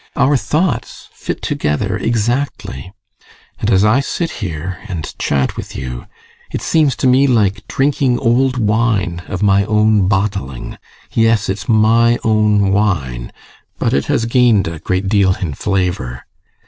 Our thoughts fit together exactly. And as I sit here and chat with you, it seems to me like drinking old wine of my own bottling. Yes, it's my own wine, but it has gained a great deal in flavour!